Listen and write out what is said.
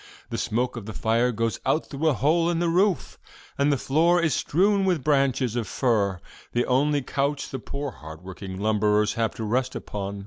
The smoke of the fire goes out through a hole in the roof, and the floor is strewn with branches of fir, the only couch the poor hardworking lumberers have to rest upon.